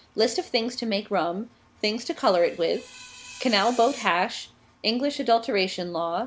LIST OF THINGS TO MAKE RUM. THINGS TO COLOR IT WITH. CANAL BOAT HASH. ENGLISH ADULTERATION LAW.